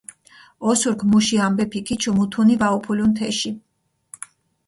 ოსურქ მუში ამბეფი ქიჩუ, მუთუნი ვაუფულუნ თეში.